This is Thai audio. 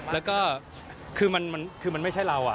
แล้วก็คือมันไม่ใช่เรา